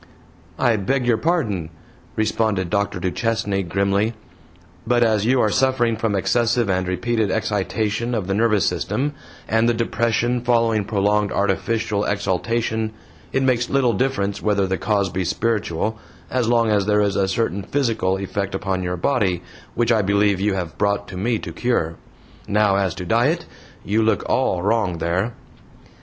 "I beg your pardon," responded Dr. Duchesne, grimly, "but as you are suffering from excessive and repeated excitation of the nervous system, and the depression following prolonged artificial exaltation it makes little difference whether the cause be spiritual, as long as there is a certain physical effect upon your BODY which I believe you have brought to me to cure. Now as to diet? you look all wrong there.